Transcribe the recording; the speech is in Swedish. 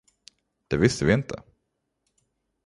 Det visste vi inte.